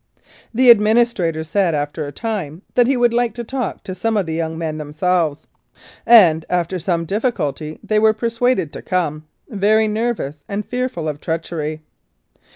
The administrator said, after a time, that he would like to talk to some of the young men themselves, and, after some difficulty, they were persuaded to come very nervous and fearful of treachery.